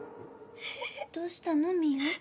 どうしたの？